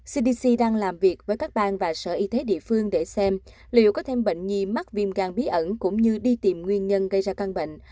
cdc đang làm việc với các bang và sở y tế địa phương để xem liệu có thêm bệnh nhi mắc viêm gan bí ẩn cũng như đi tìm nguyên nhân gây ra căn bệnh